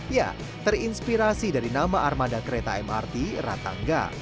ya terinspirasi dari nama armada kereta mrt ratangga